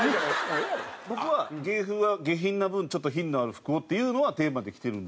僕は芸風は下品な分ちょっと品のある服をっていうのはテーマで着てるんで。